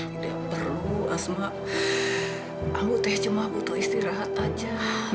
tidak perlu asma amu cuma butuh istirahat aja